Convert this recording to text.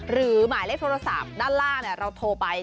หมายเลขโทรศัพท์ด้านล่างเราโทรไป